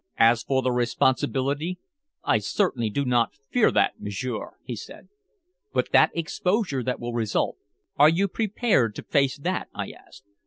"As for the responsibility, I certainly do not fear that, m'sieur," he said. "But the exposure that will result are you prepared to face that?" I asked.